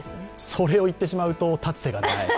それを言ってしまうと、立つ瀬がない。